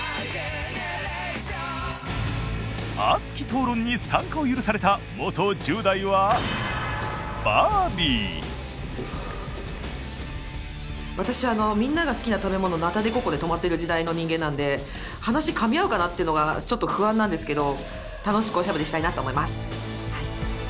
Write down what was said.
熱き討論に参加を許された元１０代は私みんなが好きな食べ物ナタデココで止まってる時代の人間なんで話かみ合うかなっていうのがちょっと不安なんですけど楽しくおしゃべりしたいなと思います。